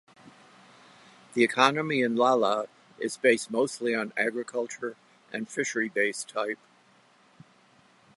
The economy in Lala is based mostly on agriculture and fishery-based type.